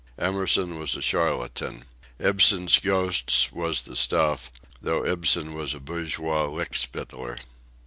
Emerson was a charlatan. Ibsen's Ghosts was the stuff, though Ibsen was a bourgeois lickspittler.